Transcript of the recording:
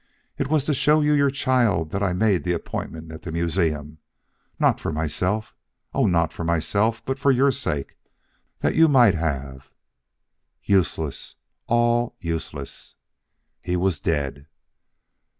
"It was to show you your child that I made the appointment at the museum. Not for myself. Oh, not for myself, but for your sake, that you might have " Useless; all useless. He was dead.